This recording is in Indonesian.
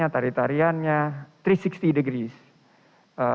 tariannya tiga ratus enam puluh degrees